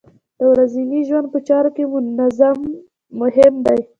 د ورځنۍ ژوند په چارو کې نظم مهم دی.